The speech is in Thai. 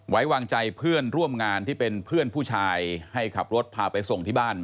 ไว้วางใจเพื่อนร่วมงานที่เป็นเพื่อนผู้ชายให้ขับรถพาไปส่งที่บ้าน